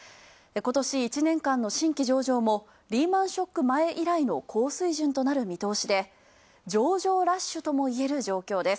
ことし１年間の新規上場もリーマン・ショック前以来の高水準となる見通しで上場ラッシュともいえる状況です。